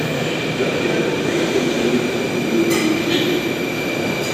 Dat is een uitstekende manier om de nieuwe eeuw te beginnen.